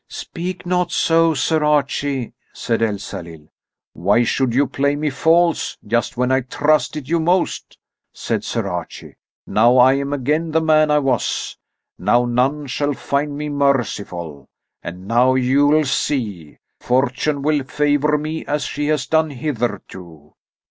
"Speak not so, Sir Archie!" said Elsalill. "Why should you play me false, just when I trusted you most?" said Sir Archie. "Now I am again the man I was. Now none shall find me merciful. And now you'll see, Fortune will favour me, as she has done hitherto.